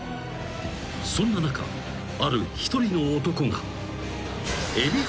［そんな中ある一人の男が］